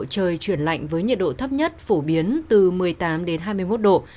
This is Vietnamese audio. trời chuyển lạnh với nhiệt độ thấp nhất phổ biến từ một mươi tám hai mươi một độ